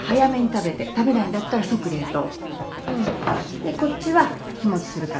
でこっちは日持ちするから。